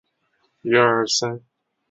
潘公展生于一个绢商家庭。